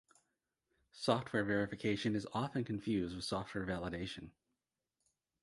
Software verification is often confused with software validation.